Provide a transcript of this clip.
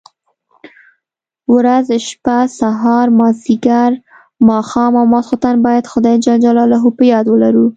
ورځ، شپه، سهار، ماځيګر، ماښام او ماخستن بايد خداى جل جلاله په ياد ولرو.